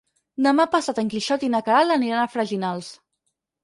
Demà passat en Quixot i na Queralt aniran a Freginals.